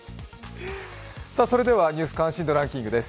それでは「ニュース関心度ランキング」です。